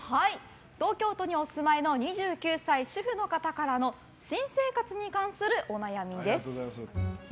東京都にお住まいの２９歳、主婦の方からの新生活に関するお悩みです。